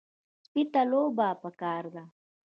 سپي ته لوبه پکار ده.